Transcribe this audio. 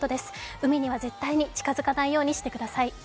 海には絶対に近づかないようにしてください。